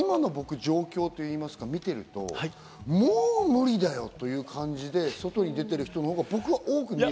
今の状況といいますか、見ているともう無理だよという感じで、外に出てる人のほうが多く見える。